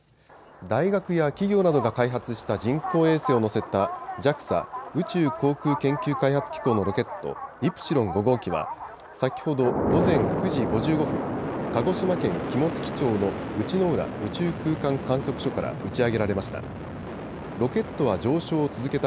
大学や企業などが開発した人工衛星を載せたＪＡＸＡ・宇宙航空研究開発機構のロケット、イプシロン５号機は先ほど午前９時５５分、鹿児島県肝付町の内之浦宇宙空間観測所から打ち上げられました。